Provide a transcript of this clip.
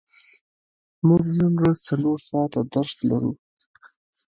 موږ نن ورځ څلور ساعته درس لرو.